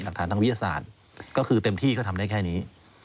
ทางวิทยาศาสตร์ก็คือเต็มที่ก็ทำได้แค่นี้